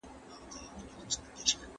شعوري رقابت تر ړندو احساساتو خورا ګټور وي.